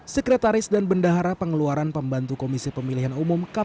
sekretaris dan bendahara pengeluaran pembantu komisi pemilihan umum kpu kota makassar